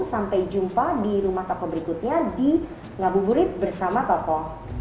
sampai jumpa di rumah toko berikutnya di ngabuburit bersama toko